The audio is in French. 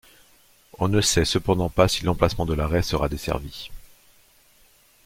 On ne sait cependant pas si l'emplacement de l'arrêt sera desservi.